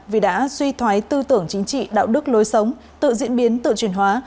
vì đã suy thoái tư tưởng chính trị đạo đức lối sống tự diễn biến tự truyền hóa